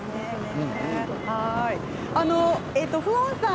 フオンさん